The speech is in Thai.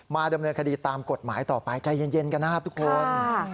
ดำเนินคดีตามกฎหมายต่อไปใจเย็นกันนะครับทุกคน